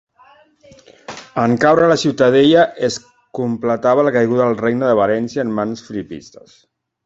En caure la ciutadella, es completava la caiguda del Regne de València en mans filipistes.